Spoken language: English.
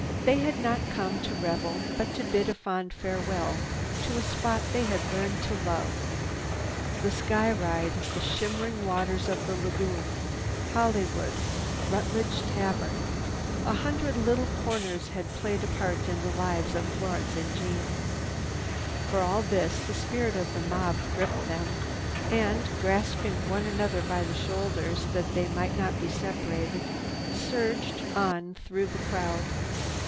They had not come to revel but to bid a fond farewell to a spot they had learned to love. The Sky Ride, the shimmering waters of the lagoon, Hollywood, Rutledge Tavern—a hundred little corners had played a part in the lives of Florence and Jeanne. For all this, the spirit of the mob gripped them and, grasping one another by the shoulders that they might not be separated, they surged on through the crowd.